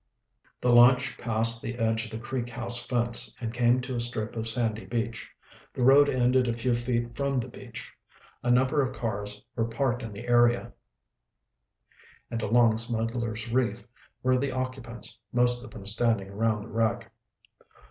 The launch passed the edge of the Creek House fence and came to a strip of sandy beach. The road ended a few feet from the beach. A number of cars were parked in the area, and along Smugglers' Reef were the occupants, most of them standing around the wreck.